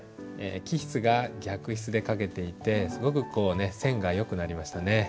起筆が逆筆で書けていてすごく線がよくなりましたね。